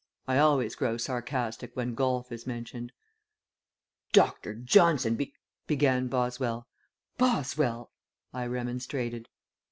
I always grow sarcastic when golf is mentioned. "Dr. Johnson be " began Boswell. "Boswell!" I remonstrated.